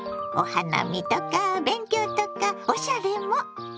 お花見とか勉強とかおしゃれも！